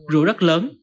rùa đất lớn